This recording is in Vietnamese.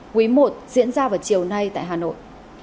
quý i diễn ra vào chiều nay tại hà nội